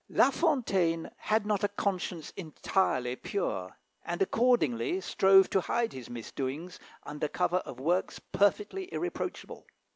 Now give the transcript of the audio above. La Fontaine had not a conscience entirely pure, and, accordingly, strove to hide his misdoings under cover of works perfectly irreproachable.